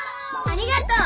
ありがとう。